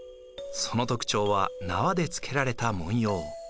その特徴は縄でつけられた文様。